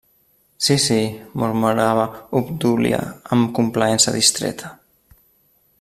-Sí, sí…- murmurava Obdúlia amb complaença distreta.